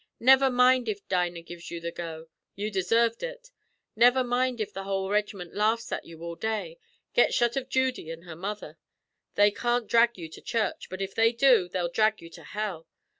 Never mind if Dinah gives you the go; you've desarved ut. Never mind if the whole reg'mint laughs at you all day. Get shut av Judy an' her mother. They can't dhrag you to church, but if they do, they'll dhrag you to hell.